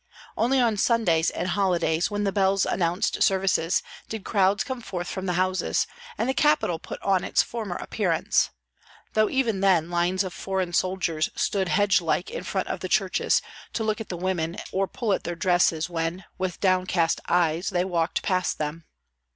Only on Sundays and holidays, when the bells announced services, did crowds come forth from the houses, and the capital put on its former appearance, though even then lines of foreign soldiers stood hedgelike in front of the churches, to look at the women or pull at their dresses when, with downcast eyes, they walked past them.